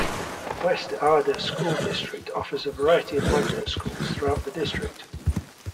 West Ada School District offers a variety of magnet schools throughout the district.